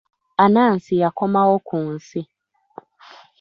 Anansi yakomawo ku nsi.